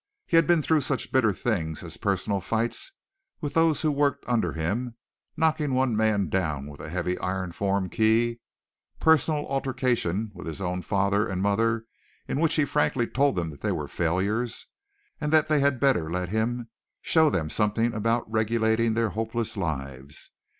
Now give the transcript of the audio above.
He had been through such bitter things as personal fights with those who worked under him, knocking one man down with a heavy iron form key; personal altercation with his own father and mother in which he frankly told them that they were failures, and that they had better let him show them something about regulating their hopeless lives.